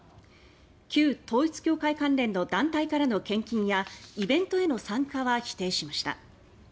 旧統一教会関連の団体からの献金やイベントへの参加は否定しました。